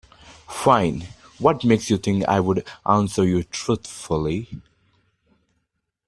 Fine, what makes you think I'd answer you truthfully?